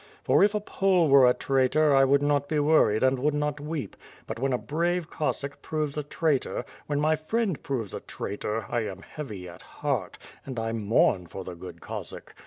For if a Pole were a traitor I would not be worried and would not weep; but when a brave Cossack proves a traitor, when my friend proves a traitor, I am hea\y at heart, and I mourn for the good Cossack.